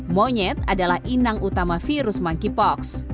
monyet adalah inang utama virus monkeypox